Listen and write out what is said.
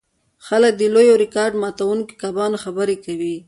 خلک د لویو او ریکارډ ماتوونکو کبانو خبرې کوي